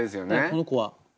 この子は。